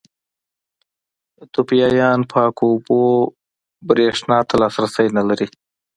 ایتوپیایان پاکو اوبو برېښنا ته لاسرسی نه لري.